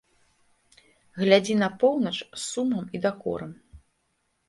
Глядзі на поўнач з сумам і дакорам.